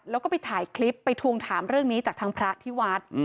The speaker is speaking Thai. แล้วก็ไปถ่ายคลิปไปทวงถามเรื่องนี้จากทางพระที่วัด